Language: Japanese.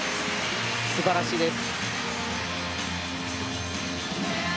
素晴らしいです。